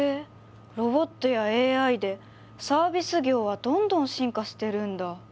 ロボットやＡＩでサービス業はどんどん進化してるんだ。